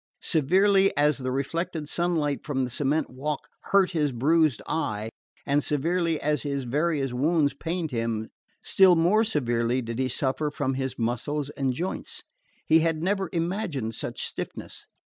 Severely as the reflected sunlight from the cement sidewalk hurt his bruised eye, and severely as his various wounds pained him, still more severely did he suffer from his muscles and joints. He had never imagined such stiffness.